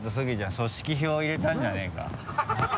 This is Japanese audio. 組織票入れたんじゃないのか？